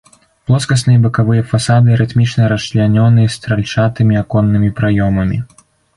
Плоскасныя бакавыя фасады рытмічна расчлянёны стральчатымі аконнымі праёмамі.